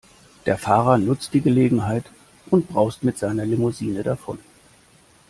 Der Fahrer nutzt die Gelegenheit und braust mit seiner Limousine davon.